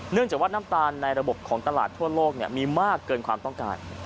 จากว่าน้ำตาลในระบบของตลาดทั่วโลกมีมากเกินความต้องการ